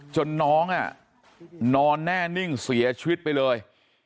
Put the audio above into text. จนน้องนอนแน่นิ่งเสียชีวิตไปเลย